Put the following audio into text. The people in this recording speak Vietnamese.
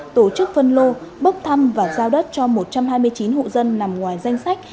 tổ chức phân lô bốc thăm và giao đất cho một trăm hai mươi chín hộ dân nằm ngoài danh sách